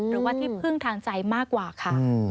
หรือว่าที่พึ่งทางใจมากกว่าค่ะ